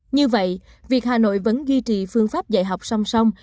như vậy việc hà nội vẫn duy trì phương pháp dạy học song song